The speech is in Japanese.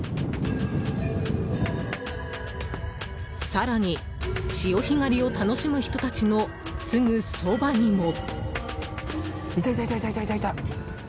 更に潮干狩りを楽しむ人たちのすぐそばにも。